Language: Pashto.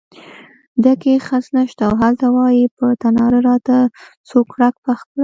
ډکی خس نشته او هلته وایې په تناره راته سوکړک پخ کړه.